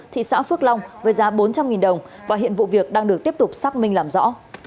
thị xã phước long với giá bốn trăm linh đồng và hiện vụ việc đang được tiếp tục xác minh làm rõ